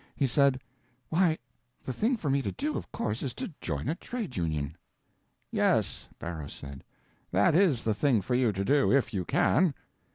He said, "Why the thing for me to do, of course, is to join a trade union." "Yes," Barrow said, "that is the thing for you to do—if you can."